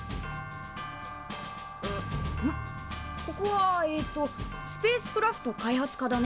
ここはえっとスペースクラフト開発科だね。